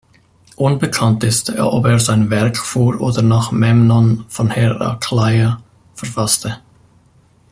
Unbekannt ist, ob er sein Werk vor oder nach Memnon von Herakleia verfasste.